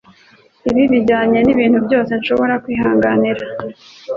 Ibi bijyanye nibintu byose nshobora kwihanganira.